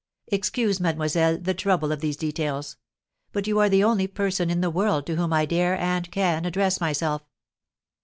Excuse, mademoiselle, the trouble of these details; but you are the only person in the world to whom I dare and can address myself.